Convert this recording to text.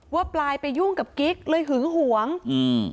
ปลายไปยุ่งกับกิ๊กเลยหึงหวงอืม